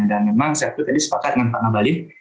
dan memang saya tuh tadi sepakat dengan pak mabalil